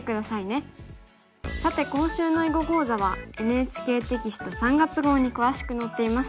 さて今週の囲碁講座はＮＨＫテキスト３月号に詳しく載っています。